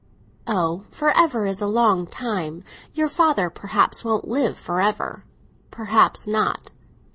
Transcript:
"Oh, for ever is a long time. Your father, perhaps, won't live for ever." "Perhaps not."